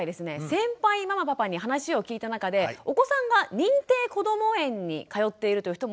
先輩ママパパに話を聞いた中でお子さんが認定こども園に通っているという人も非常に多かったんですね。